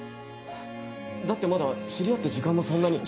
だってまだ知り合って時間もそんなに。